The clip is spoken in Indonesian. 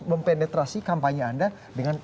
mempenetrasi kampanye anda dengan